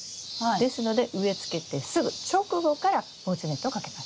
ですので植え付けてすぐ直後から防虫ネットをかけます。